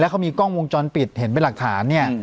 เขามีกล้องวงจรปิดเห็นเป็นหลักฐานเนี่ย